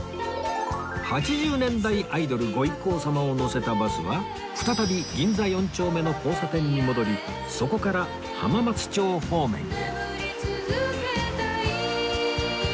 ８０年代アイドルご一行様を乗せたバスは再び銀座四丁目の交差点に戻りそこから浜松町方面へ